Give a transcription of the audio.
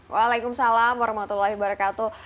waalaikumsalam warahmatullahi wabarakatuh